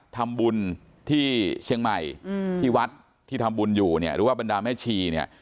ทำบุญที่เชียงใหม่ที่วัดที่ทำบุญอยู่เนี่ยหรือว่าบรรดาแม่ชีเนี่ย